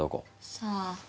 さあ。